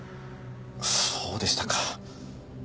そうでしたか。